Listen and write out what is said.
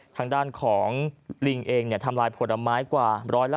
ทางด้านของลิงเองทำลายผลไม้กว่า๑๕